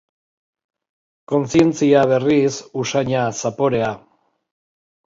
Kontzientzia berriz, usaina, zaporea.